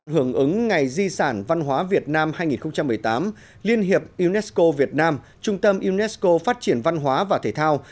hưởng ứng ngày di sản văn hóa việt nam hai nghìn một mươi tám liên hiệp unesco việt nam trung tâm unesco phát triển văn hóa và thể thao